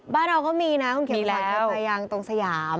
บ้านเราก็มีนะคุณเกียรติภัยเกิดไปอย่างตรงสยาม